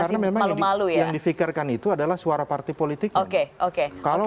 karena memang yang difikirkan itu adalah suara partai politiknya